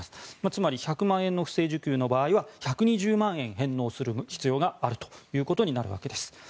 つまり１００万円の不正受給の場合は１２０万円返納する必要があることになるわけです。